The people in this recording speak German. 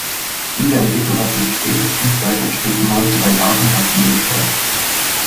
Diese Entwicklung hat sich spätestens seit den späten Neunzigerjahren rapide beschleunigt.